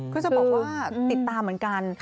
ก็จะบอกว่าติดตามเหมือนกัน